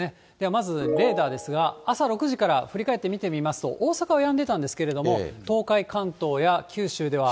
まずレーダーですが、朝６時から振り返って見てみますと、大阪はやんでたんですけれども、東海、関東や九州では。